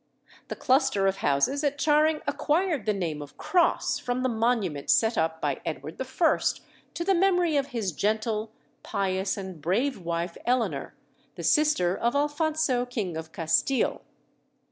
The cluster of houses at Charing acquired the name of Cross from the monument set up by Edward I. to the memory of his gentle, pious, and brave wife Eleanor, the sister of Alphonso, King of Castille.